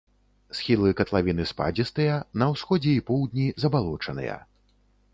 Схілы катлавіны спадзістыя, на ўсходзе і поўдні забалочаныя.